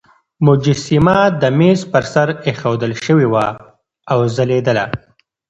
مجسمه د مېز پر سر ایښودل شوې وه او ځلېدله.